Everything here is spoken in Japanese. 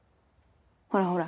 ほらほら